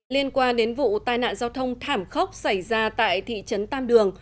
liên quan đến vụ tai nạn giao thông thảm khốc xảy ra tại thị trấn tam đường